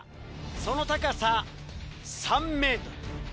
その高さ３ｍ。